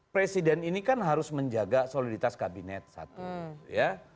presiden ini kan harus menjaga soliditas kabinet satu ya